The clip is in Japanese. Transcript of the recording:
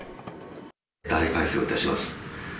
ダイヤ改正をいたします。